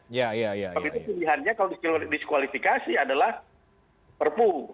begitu pilihannya kalau diskulifikasi adalah perpu